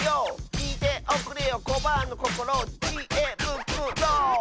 「きいておくれよコバアのこころ」「チ・エ・ブ・ク・ロ！」